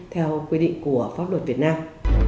theo quy định của pháp luật việt nam